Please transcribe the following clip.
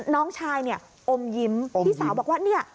น้องชายอมยิ้มพี่สาวบอกว่า